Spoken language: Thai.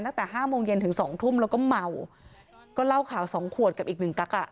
ตั้งแต่ห้าโมงเย็นถึงสองทุ่มแล้วก็เมาก็เล่าข่าวสองขวดกับอีกหนึ่งกั๊กอ่ะ